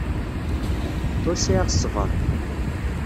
Ur sɛiɣ ṣṣber.